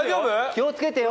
気を付けてよ。